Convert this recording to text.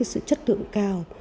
sự chất tượng cao